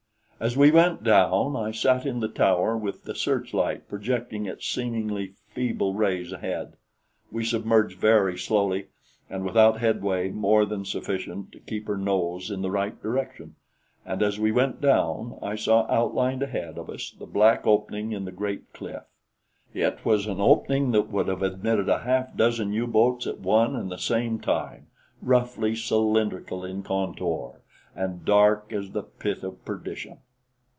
As we went down, I sat in the tower with the searchlight projecting its seemingly feeble rays ahead. We submerged very slowly and without headway more than sufficient to keep her nose in the right direction, and as we went down, I saw outlined ahead of us the black opening in the great cliff. It was an opening that would have admitted a half dozen U boats at one and the same time, roughly cylindrical in contour and dark as the pit of perdition.